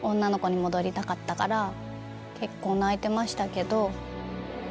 結構泣いてましたけど。